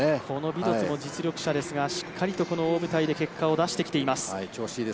ビドツも実力者ですが、しっかりと大舞台で記録を出してきています。